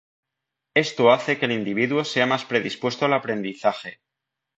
Esto hace que el individuo sea más predispuesto al aprendizaje.